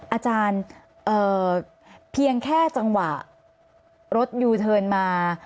อาจารย์เพียงแค่จังหวะรถยูเทิร์นมา